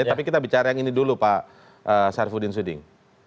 tapi kita bicara yang ini dulu pak syarifudin suding